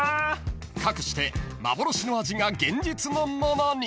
［かくして幻の味が現実のものに］